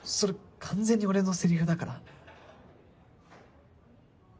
完全に俺のセリフだから。